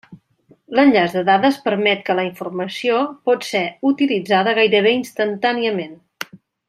L'enllaç de dades permet que la informació pot ser utilitzada gairebé instantàniament.